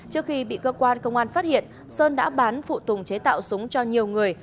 trước khi bị cơ quan công an phát hiện sơn đã bán phụ tùng chế tạo súng cho nhiều người